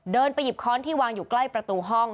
ไปหยิบค้อนที่วางอยู่ใกล้ประตูห้อง